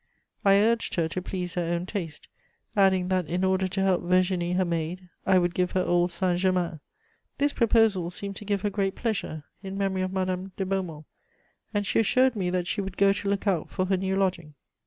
I urged her to please her own taste, adding that in order to help Virginie, her maid, I would give her old Saint Germain. This proposal seemed to give her great pleasure, in memory of Madame de Beaumont, and she assured me that she would go to look out for her new lodging.